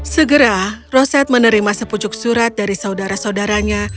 segera roset menerima sepucuk surat dari saudara saudaranya